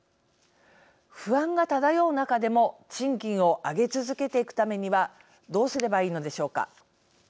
不安が漂う中でも賃金を上げ続けていくためにはどうすればいいのでしょうか。